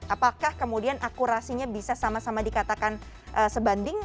apakah kemudian akurasinya bisa sama sama dikatakan sebanding